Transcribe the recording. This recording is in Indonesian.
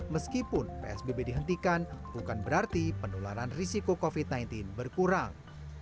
meskipun psbb dihentikan bukan berarti penularan risiko covid sembilan belas berkurang